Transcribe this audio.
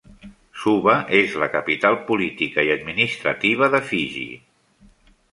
Suva és la capital política i administrativa de Fiji.